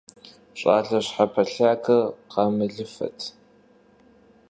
ЩӀалэ щхьэпэлъагэр къамылыфэт.